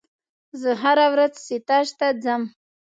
زه هره ورځ ستاژ ته ځم.